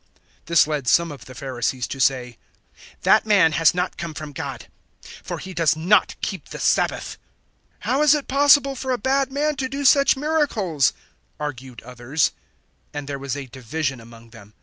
009:016 This led some of the Pharisees to say, "That man has not come from God, for he does not keep the Sabbath." "How is it possible for a bad man to do such miracles?" argued others. 009:017 And there was a division among them.